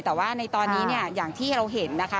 แต่ว่าในตอนนี้เนี่ยอย่างที่เราเห็นนะคะ